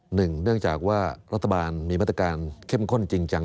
เนื่องจากว่ารัฐบาลมีมาตรการเข้มข้นจริงจัง